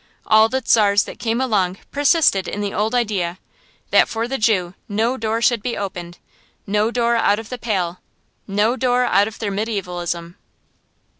All the czars that came along persisted in the old idea, that for the Jew no door should be opened, no door out of the Pale, no door out of their mediævalism.